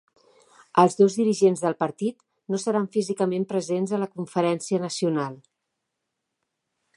Els dos dirigents del partit no seran físicament presents a la conferència nacional.